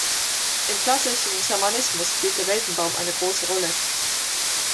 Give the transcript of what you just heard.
Im klassischen Schamanismus spielt der Weltenbaum eine große Rolle.